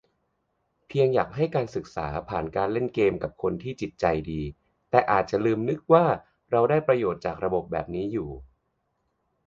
เพียงอยากให้การศึกษาผ่านการเล่นเกมกับคนที่จิตใจดี แต่อาจจะลืมนึก ว่าเราได้ประโยชน์จากระบบแบบนี้อยู่